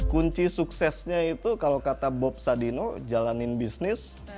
kunci suksesnya itu kalau kata bob sadino jalanin bisnis